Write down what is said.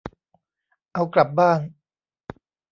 เอากลับบ้าน